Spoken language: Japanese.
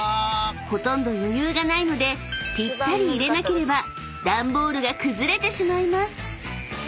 ［ほとんど余裕がないのでぴったり入れなければ段ボールが崩れてしまいます］